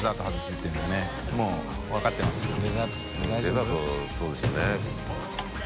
デザートそうでしょうね。